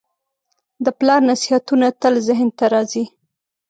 د پلار نصیحتونه تل ذهن ته راځي.